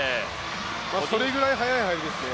それぐらい速い入りですね。